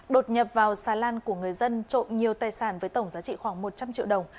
đột nhập vào xà lan của người dân trộm nhiều tài sản với tổng giá trị khoảng một trăm linh triệu đồng